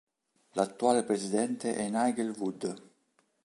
L'attuale presidente è Nigel Wood.